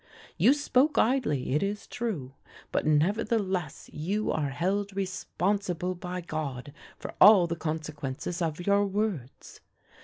You spoke idly, it is true, but nevertheless you are held responsible by God for all the consequences of your words.